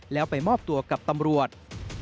แล้วไปมอบตัวกับตำรวจ